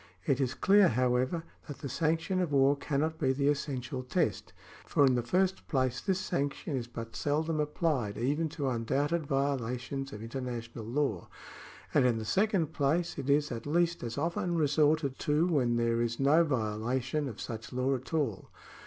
It is clear, however, that the sanction of war cannot be the essential test ; for in the first place this sanction is but seldom applied even to undoubted violations of international law, and in the second place it is at least as often resorted to when there is no violation of such law at all.